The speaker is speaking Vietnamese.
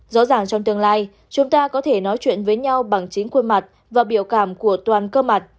rõ ràng trong tương lai chúng ta có thể nói chuyện với nhau bằng chính khuôn mặt và biểu cảm của toàn cơ mặt